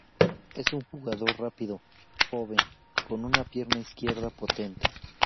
Es un jugador rápido, joven, con una pierna izquierda potente.